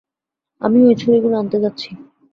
আমি ঐ ছড়িগুলো আনতে যাচ্ছি।